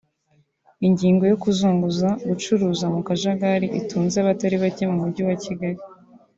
Ingingo yo kuzunguza/gucuruza mu kajagari itunze abatari bake mu mujyi wa Kigali